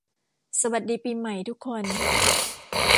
สวัสดีปีใหม่ทุกคน